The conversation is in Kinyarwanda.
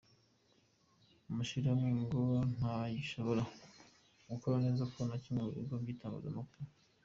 Amashirahamwe ngo ntagishobora gukora neza, co kimwe n'ibigo vy'itangazamakuru.